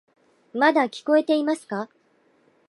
まだ聞こえていますか？